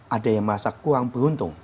ada yang merasa kurang beruntung